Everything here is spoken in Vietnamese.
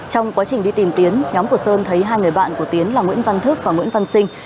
trong quá trình đi tìm tiến nhóm của sơn thấy hai người bạn của tiến là nguyễn văn thức và nguyễn văn sinh